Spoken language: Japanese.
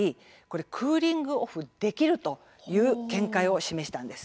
クーリング・オフできるという見解を示したんです。